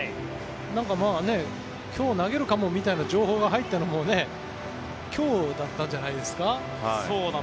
今日投げるかもみたいな情報が入ったのも今日だったんじゃないですか？